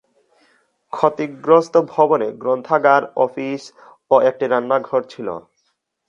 ক্ষতিগ্রস্ত ভবনে গ্রন্থাগার, অফিস ও একটি রান্নাঘর ছিলো।